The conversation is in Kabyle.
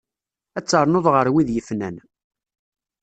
Ad ternuḍ ɣer wid yefnan.